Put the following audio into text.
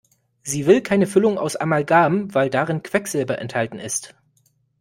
Sie will keine Füllung aus Amalgam, weil darin Quecksilber enthalten ist.